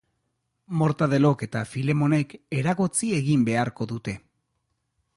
Mortadelok eta Filemonek eragotzi egin beharko dute.